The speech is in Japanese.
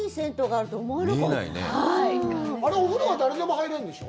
あのお風呂は誰でも入れるんでしょ？